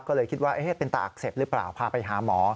ก็เลยคิดว่าเป็นตาอักเสบหรือเปล่าพาไปหาหมอ